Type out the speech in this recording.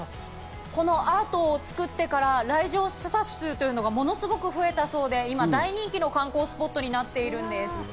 このアートを作ってから、来場者数というのが、ものすごく増えたそうで、今、大人気の観光スポットになっているんです。